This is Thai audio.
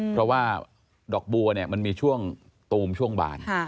เพราะว่าดอกบัวเนี่ยมันมีช่วงตูมช่วงบาน